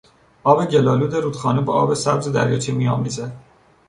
آب گل آلود رودخانه با آب سبز دریاچه می آمیزد.